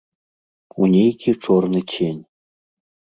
У нейкі чорны цень.